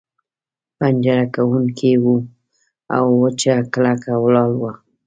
پنجره ګونګۍ وه او وچه کلکه ولاړه وه.